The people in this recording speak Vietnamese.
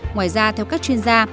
ngoài ra theo các chuyên gia